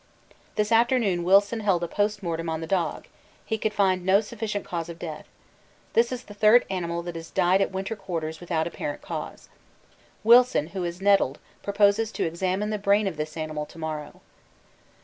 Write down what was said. This afternoon Wilson held a post mortem on the dog; he could find no sufficient cause of death. This is the third animal that has died at winter quarters without apparent cause. Wilson, who is nettled, proposes to examine the brain of this animal to morrow.